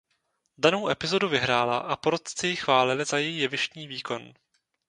Danou epizodu vyhrála a porotci ji chválili za její jevištní výkon.